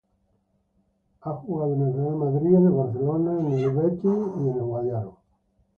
Ha jugado en los equipos New Orleans Saints, Philadelphia Eagles y San Diego Chargers.